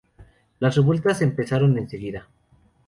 Las revueltas empezaron enseguida.